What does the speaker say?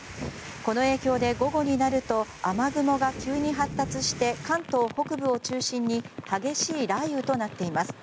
この影響で午後になると雨雲が急に発達して関東北部を中心に激しい雷雨となっています。